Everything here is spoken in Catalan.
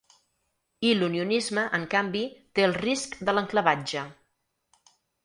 I l’unionisme, en canvi, té el risc de l’enclavatge.